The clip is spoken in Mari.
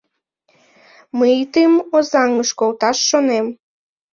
Мый тыйым Озаҥыш колташ шонем.